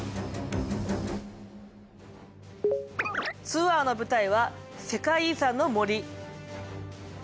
ツアーの舞台は世界遺産の森。